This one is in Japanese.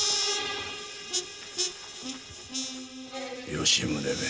吉宗め。